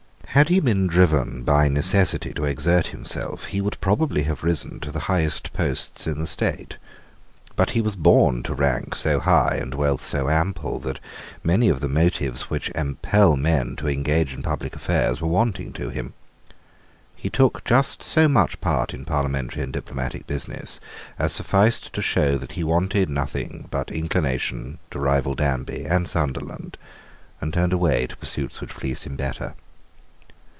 Had he been driven by necessity to exert himself, he would probably have risen to the highest posts in the state; but he was born to rank so high and wealth so ample that many of the motives which impel men to engage in public affairs were wanting to him. He took just so much part in parliamentary and diplomatic business as sufficed to show that he wanted nothing but inclination to rival Danby and Sunderland, and turned away to pursuits which pleased him better.